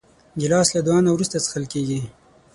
ګیلاس له دعا نه وروسته څښل کېږي.